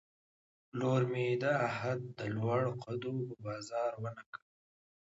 پلور مې د عهد، د لوړ قدو په بازار ونه کړ